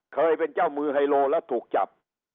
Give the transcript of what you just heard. เคยเป็นเจ้ามือไฮโลแล้วถูกจับ